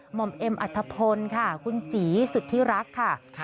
อมเอ็มอัธพลค่ะคุณจีสุธิรักค่ะ